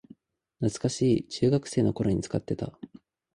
懐かしい、中学生の頃に使ってた